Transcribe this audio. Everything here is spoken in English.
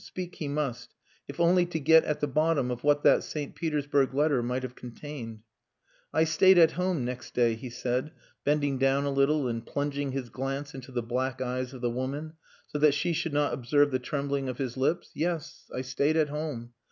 Speak he must, if only to get at the bottom of what that St. Petersburg letter might have contained. "I stayed at home next day," he said, bending down a little and plunging his glance into the black eyes of the woman so that she should not observe the trembling of his lips. "Yes, I stayed at home.